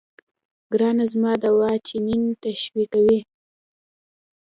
ګرانه زما دوا جنين تشويقوي.